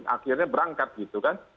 akhirnya berangkat gitu kan